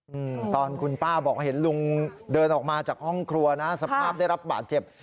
อืมตอนคุณป้าบอกว่าเห็นลุงเดินออกมาจากห้องครัวนะสภาพได้รับบาดเจ็บ